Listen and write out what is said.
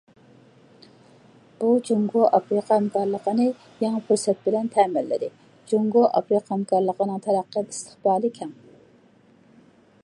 بۇ جۇڭگو ئافرىقا ھەمكارلىقىنى يېڭى پۇرسەت بىلەن تەمىنلىدى، جۇڭگو ئافرىقا ھەمكارلىقىنىڭ تەرەققىيات ئىستىقبالى كەڭ.